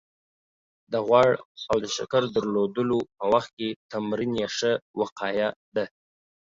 د غوړ او د شکر درلودلو په وخت کې تمرین يې ښه وقايه ده